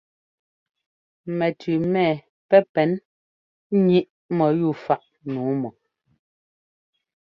Mɛtʉʉ mɛ pɛ́ pɛn níꞌ mɔyúu fák nǔu mɔ.